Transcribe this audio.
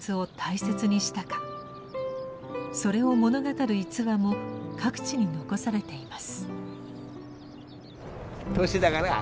それを物語る逸話も各地に残されています。